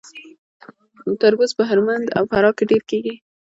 تربوز په هلمند او فراه کې ډیر کیږي.